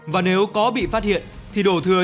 và nếu có bị phát hiện thì đổ thừa